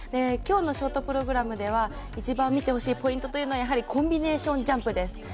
今日のショートプログラムでは一番見てほしいポイントはやはりコンビネーションジャンプです。